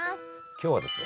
今日はですね